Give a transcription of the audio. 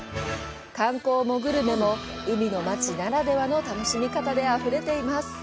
観光もグルメも、海の街ならではの楽しみ方であふれています。